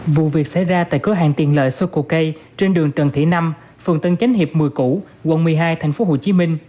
vụ việc xảy ra tại cửa hàng tiền lợi soko k trên đường trần thị năm phường tân chánh hiệp một mươi củ quận một mươi hai tp hcm